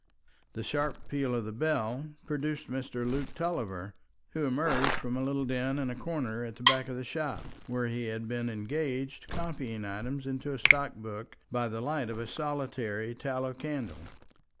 The sharp peal of the bell produced Mr. Luke Tulliver, who emerged from a little den in a corner at the back of the shop, where he had been engaged copying items into a stock book by the light of a solitary tallow candle.